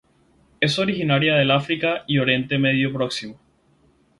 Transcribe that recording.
Es originaria del África y Oriente Próximo.